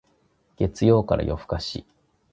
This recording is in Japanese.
月曜から夜更かし